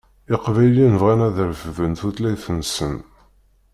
Iqbayliyen bɣan ad refden tutlayt-nsen.